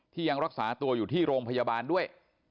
ยังรักษาตัวอยู่ที่โรงพยาบาลด้วย